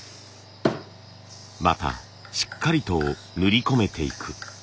またしっかりと塗り込めていく。